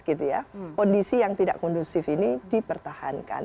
kondisi yang tidak kondusif ini dipertahankan